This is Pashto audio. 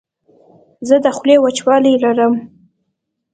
زه د خولې وچوالی لرم.